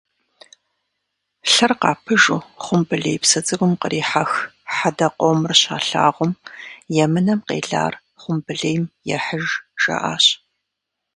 Лъыр къапыжу Хъумбылей псы цӀыкӀум кърихьэх хьэдэ къомыр щалъагъум «Емынэм къелар хъумбылейм ехьыж» жаӏащ.